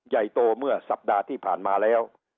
ใหญ่โตเมื่อสัปดาห์ที่ผ่านมาแล้ว